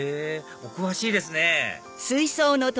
お詳しいですねはい。